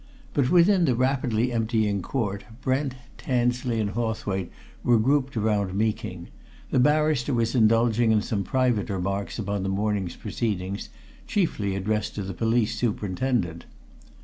But, within the rapidly emptying court Brent, Tansley and Hawthwaite were grouped around Meeking the barrister was indulging in some private remarks upon the morning's proceedings, chiefly addressed to the police superintendent.